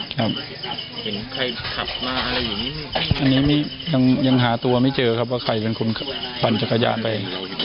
ครับยังหาตัวไม่เจอครับว่าใครเป็นคนพันธุ์จักรยาไป